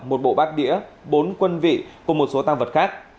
một bộ bát đĩa bốn quân vị cùng một số tăng vật khác